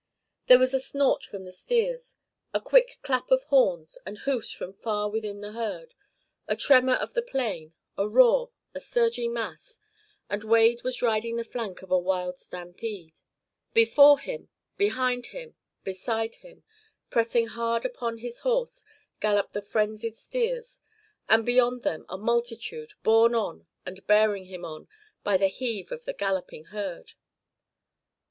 There was a snort from the steers, a quick clap of horns and hoofs from far within the herd, a tremor of the plain, a roar, a surging mass and Wade was riding the flank of a wild stampede. Before him, behind him, beside him, pressing hard upon his horse, galloped the frenzied steers, and beyond them a multitude, borne on, and bearing him on, by the heave of the galloping herd.